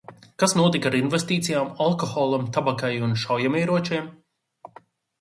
Kas notika ar investīcijām alkoholam, tabakai un šaujamieročiem?